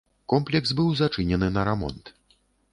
Комплекс быў зачынены на рамонт.